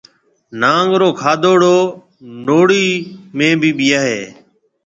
نانگ رو کادوڙو نوھڙِي ۾ ڀِي ٻيائيَ ھيََََ